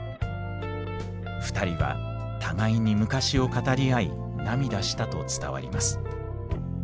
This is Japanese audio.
２人は互いに昔を語り合い涙したと伝わります。